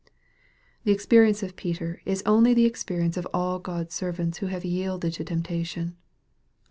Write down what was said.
The experience of Peter is only the experience of all God's servants who have yielded to temptation.